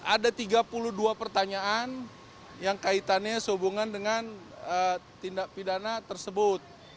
ada tiga puluh dua pertanyaan yang kaitannya sehubungan dengan tindak pidana tersebut